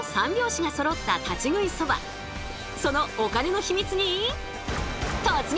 そのお金の秘密に突撃！